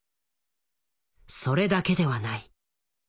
それだけではない。